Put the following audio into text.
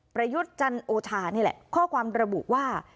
ประยุจรรย์โอชานี่แหละข้อความระบุว่า